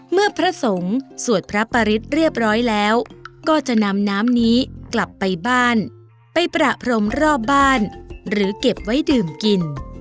พระสงฆ์สวดพระปริศเรียบร้อยแล้วก็จะนำน้ำนี้กลับไปบ้านไปประพรมรอบบ้านหรือเก็บไว้ดื่มกิน